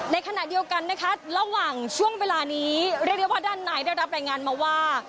ในขณะเดียวกันนะคะระหว่างช่วงเวลานี้เรียกได้ว่าด้านในได้รับรายงานมาว่า